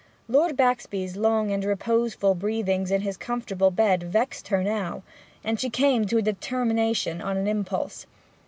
Lord Baxby's long and reposeful breathings in his comfortable bed vexed her now, and she came to a determination on an impulse.